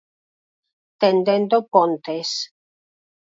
Tendendo pontes.